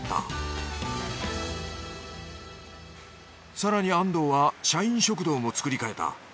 更に安藤は社員食堂も作り変えた。